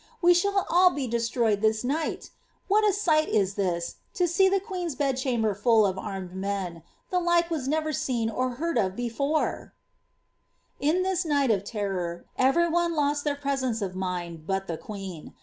We shall all he destroyed this night ! What a sight is this, to see the queen's bedchamber foil of armed men — the like was never seen or heard of before P "* In this night of terror, every one lost their presence of mind, but tte queen.